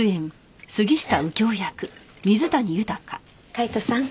カイトさん。